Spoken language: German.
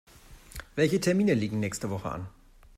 Welche Termine liegen nächste Woche an?